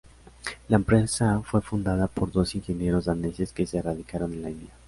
La empresa fue fundada por dos ingenieros daneses que se radicaron en la India.